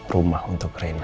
rumah untuk rena